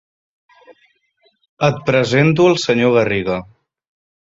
Et presento el senyor Garriga.